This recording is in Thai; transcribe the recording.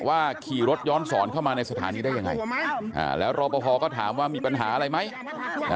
ขี่รถย้อนสอนเข้ามาในสถานีได้ยังไงแล้วรอปภก็ถามว่ามีปัญหาอะไรไหม